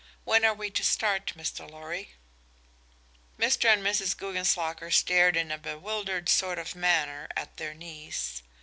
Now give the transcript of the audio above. When are we to start, Mr. Lorry?" Mr. and Mrs. Guggenslocker stared in a bewildered sort of manner at their niece.